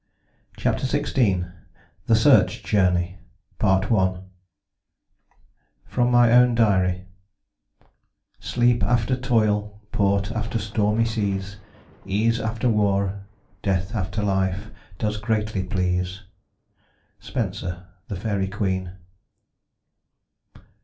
CHAPTER XVI THE SEARCH JOURNEY From my own diary Sleep after toyle, port after stormie seas, Ease after warre, death after life, does greatly please. SPENSER, _The Faerie Queen.